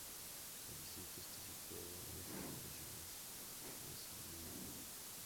El distrito está situado al Oeste de la ciudad de Celendín.